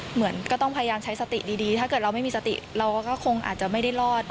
เหมือนก็ต้องพยายามใช้สติดีถ้าเกิดเราไม่มีสติเราก็คงอาจจะไม่ได้รอด